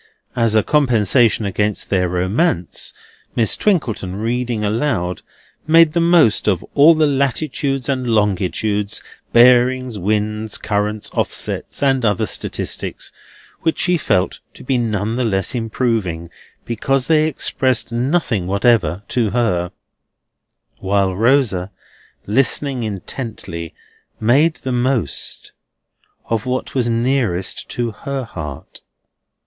As a compensation against their romance, Miss Twinkleton, reading aloud, made the most of all the latitudes and longitudes, bearings, winds, currents, offsets, and other statistics (which she felt to be none the less improving because they expressed nothing whatever to her); while Rosa, listening intently, made the most of what was nearest to her heart.